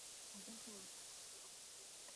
橙嘴蓝脸鲣鸟为鲣鸟科鲣鸟属的一种。